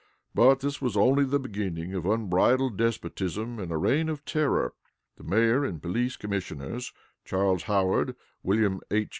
But this was only the beginning of unbridled despotism and a reign of terror. The Mayor and Police Commissioners, Charles Howard, William H.